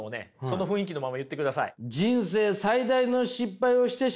その雰囲気のまま言ってください。